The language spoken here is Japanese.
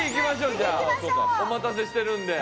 お待たせしてるんで。